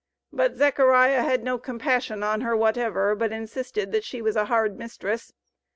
But Zechariah had no compassion on her whatever, but insisted that she was a hard mistress.